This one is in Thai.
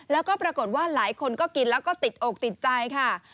แล้วก็ปรากฏว่าหลายคนก็กินแล้วก็ติดอกติดใจค่ะ